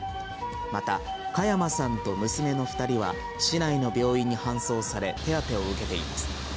また嘉山さんと娘の２人は市内の病院に搬送され、手当てを受けています。